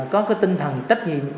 có tinh thần trách nhiệm